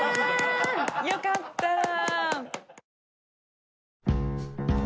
よかったら。